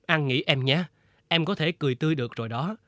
ăn nghỉ em nhé em có thể cười tươi được rồi đó